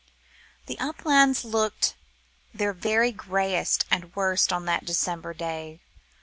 The uplands looked their very greyest and worst on that December day.